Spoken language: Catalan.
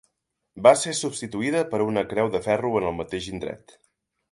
Va ser substituïda per una creu de ferro en el mateix indret.